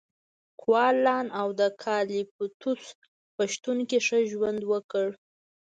کوالان د اوکالیپتوس په شتون کې ښه ژوند وکړ.